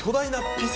ピザ！？